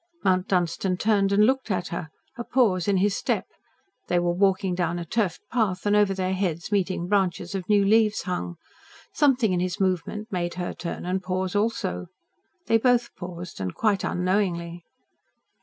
Mount Dunstan turned and looked at her a pause in his step they were walking down a turfed path, and over their heads meeting branches of new leaves hung. Something in his movement made her turn and pause also. They both paused and quite unknowingly.